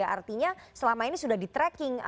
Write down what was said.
artinya selama ini sudah di tracking